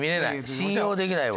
信用できないわ。